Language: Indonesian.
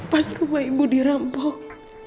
pas rumah ibu dirampok